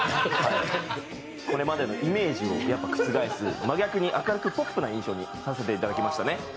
これまでのイメージを覆す、真逆に明るくポップな印象にさせていただきましたね。